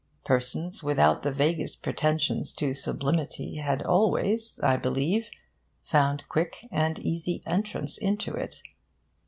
Persons without the vaguest pretensions to sublimity had always, I believe, found quick and easy entrance into it.